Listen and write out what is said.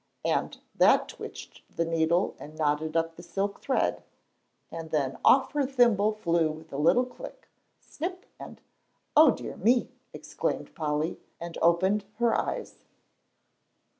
And that twitched the needle and knotted up the silk thread, and then off her thimble flew with a little click snip, and "O dear me!" exclaimed Polly, and opened her eyes.